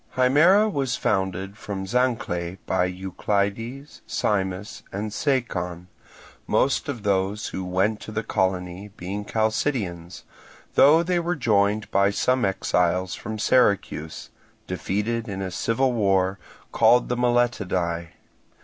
Himera was founded from Zancle by Euclides, Simus, and Sacon, most of those who went to the colony being Chalcidians; though they were joined by some exiles from Syracuse, defeated in a civil war, called the Myletidae.